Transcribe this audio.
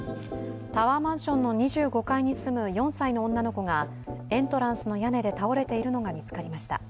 タワーマンションの２５階に住む４歳の女の子がエントランスの屋根で倒れているのが見つかりました。